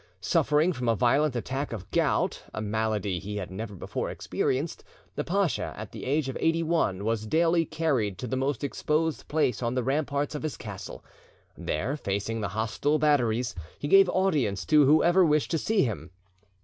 Suffering from a violent attack of gout, a malady he had never before experienced, the pacha, at the age of eighty one, was daily carried to the most exposed place on the ramparts of his castle. There, facing the hostile batteries, he gave audience to whoever wished to see him.